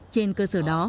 trên cơ sở đó